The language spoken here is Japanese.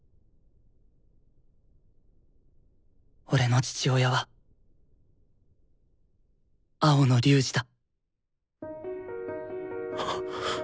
俺の父親は青野龍仁だ。